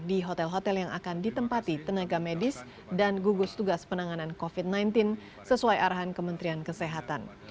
di hotel hotel yang akan ditempati tenaga medis dan gugus tugas penanganan covid sembilan belas sesuai arahan kementerian kesehatan